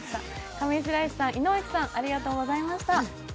上白石さん、井之脇さん、ありがとうございました。